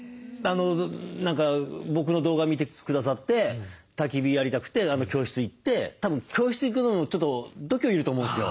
何か僕の動画見てくださってたき火やりたくて教室行ってたぶん教室行くのもちょっと度胸要ると思うんですよ。